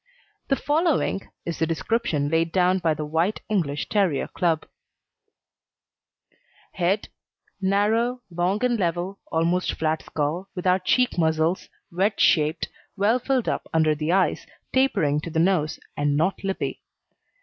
The following is the description laid down by the White English Terrier Club: HEAD Narrow, long and level, almost flat skull, without cheek muscles, wedge shaped, well filled up under the eyes, tapering to the nose, and not lippy.